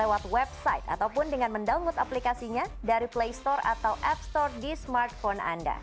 lewat website ataupun dengan mendownload aplikasinya dari playstore atau appstore di smartphone anda